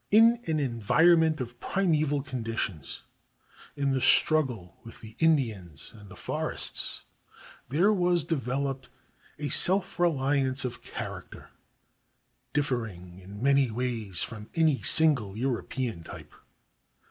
In an environment of primeval conditions, in the struggle with the Indians and the forests there was developed a self reliance of character, differing in many ways from any single European type.